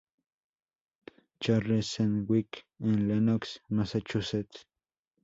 Charles Sedgwick en Lenox, Massachusetts.